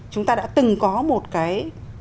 chúng ta đã từng có một cái